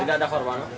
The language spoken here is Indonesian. tidak ada korban